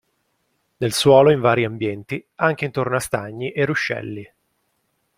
Nel suolo in vari ambienti, anche intorno a stagni e ruscelli.